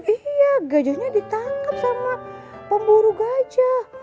iya gajahnya ditangkap sama pemburu gajah